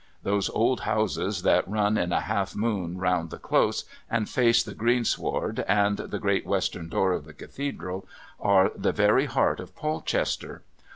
Those old houses that run in a half moon round the Close, and face the green sward and the great western door of the Cathedral, are the very heart of Polchester.